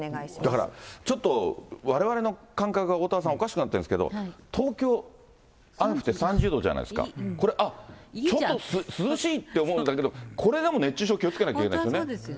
だから、ちょっとわれわれの感覚がおおたわさん、おかしくなってるんですけど、東京、雨降って３０度じゃないですか、これ、あっ、ちょっと涼しいって思うんだけど、これでも熱中症気をつけなきゃいけないですよね。